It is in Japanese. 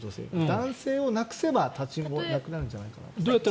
男性をなくせば立ちんぼはなくなるんじゃないかと。